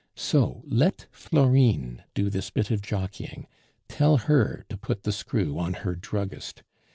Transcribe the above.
So let Florine do this bit of jockeying; tell her to put the screw on her druggist.